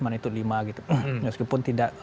manitun lima meskipun tidak